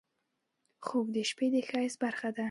خوب د شپه د ښایست برخه ده